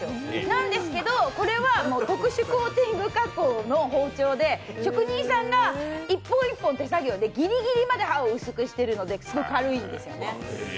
なんですけど、これは特殊コーティング加工の包丁で職人さんが１本１本手作業でギリギリまで刃を薄くしているのですごく軽いんですね。